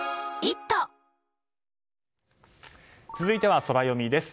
続いてはソラよみです。